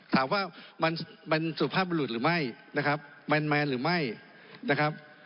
ถามว่ามันสุภาพบรุษหรือไม่นะครับแมนหรือไม่นะครับ